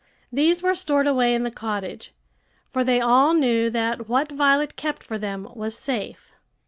These were stored away in the cottage; for they all knew that what Violet kept for them was safe.